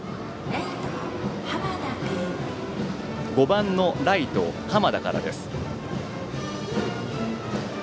５番のライト、濱田からです。